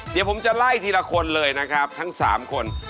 เดี๋ยวผมจะไล่ทีละคนเลยนะครับทั้ง๓คน